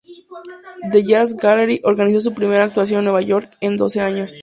The Jazz Gallery organizó su primera actuación en Nueva York en doce años.